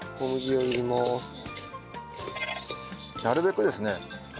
なるべくですね